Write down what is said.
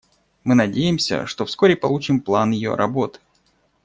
Мы надеемся, что вскоре получим план ее работы.